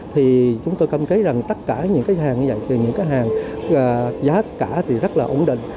thì chúng tôi cam kế rằng tất cả những cái hàng giá cả thì rất là ổn định